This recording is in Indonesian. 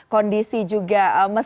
kondisi juga musim dan juga kondisi berat